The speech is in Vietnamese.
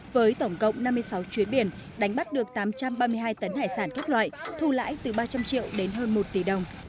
với tổng cộng năm mươi sáu chuyến biển đánh bắt được tám trăm ba mươi hai tấn hải sản các loại thu lãi từ ba trăm linh triệu đến hơn một tỷ đồng